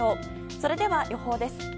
それでは、予報です。